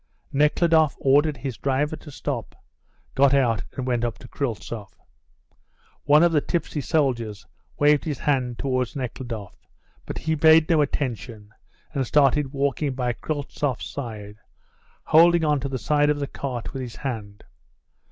Nekhludoff ordered his driver to stop, got out and went up to Kryltzoff. One of the tipsy soldiers waved his hand towards Nekhludoff, but he paid no attention and started walking by Kryltzoff's side, holding on to the side of the cart with his hand.